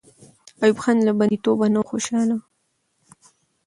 ایوب خان له بندي توبه نه وو خوشحاله.